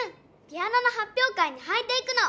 ピアノのはっぴょう会にはいていくの！